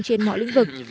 trên mọi lĩnh vực